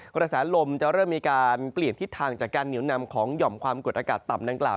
กระแสลมจะเริ่มมีการเปลี่ยนทิศทางจากการเหนียวนำของหย่อมความกดอากาศต่ำดังกล่าว